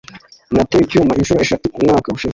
natewe icyuma inshuro eshatu umwaka ushize